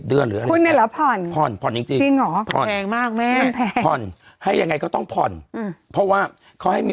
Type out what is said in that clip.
จริงหรอพอมพงให้ยังไงกูต้องปร่อยแค่ทำให้มี